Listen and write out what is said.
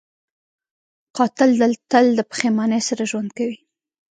قاتل تل د پښېمانۍ سره ژوند کوي